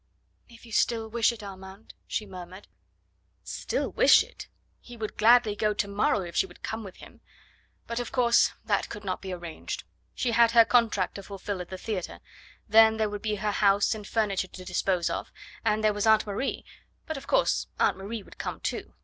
"If you still wish it, Armand," she murmured. Still wish it! He would gladly go to morrow if she would come with him. But, of course, that could not be arranged. She had her contract to fulfil at the theatre, then there would be her house and furniture to dispose of, and there was Aunt Marie.... But, of course, Aunt Marie would come too....